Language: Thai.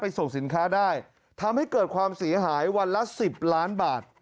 ส่งสินค้าได้ทำให้เกิดความเสียหายวันละ๑๐ล้านบาท